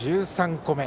１３個目。